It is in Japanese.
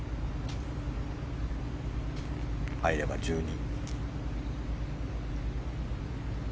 入れば１２。